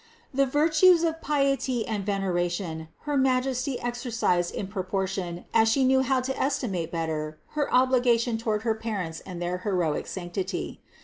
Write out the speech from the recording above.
563. The virtues of piety and veneration her Majesty exercised in proportion as She knew how to estimate better her obligation toward her parents and their heroic sanctity.